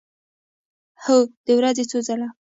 هو، د ورځې څو ځله